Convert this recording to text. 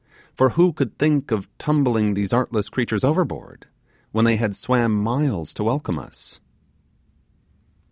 For who could think of tumbling these artless creatures overboard, when they had swum miles to welcome us?